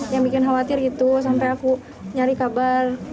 yang bikin khawatir gitu sampai aku nyari kabar